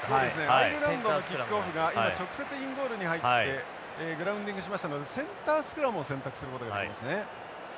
アイルランドのキックオフが今直接インゴールに入ってグラウンディングしましたのでセンタースクラムを選択することができますね。